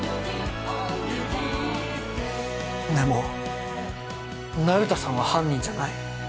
でも那由他さんは犯人じゃない。